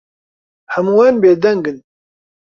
هەمووان بێدەنگن.